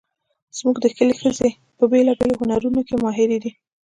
زموږ د کلي ښځې په بیلابیلو هنرونو کې ماهرې دي